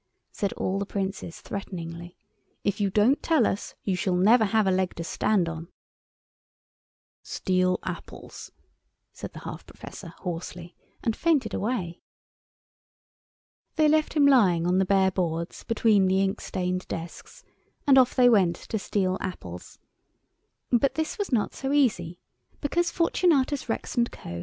said all the Princes, threateningly; "if you don't tell us, you shall never have a leg to stand on." "Steal apples," said the half Professor, hoarsely, and fainted away. They left him lying on the bare boards between the inkstained desks, and off they went to steal apples. But this was not so easy. Because Fortunatus Rex & Co.